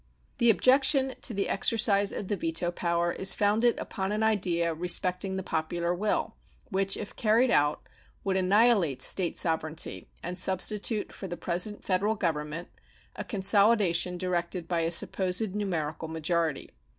The objection to the exercise of the veto power is founded upon an idea respecting the popular will, which, if carried out, would annihilate State sovereignty and substitute for the present Federal Government a consolidation directed by a supposed numerical majority.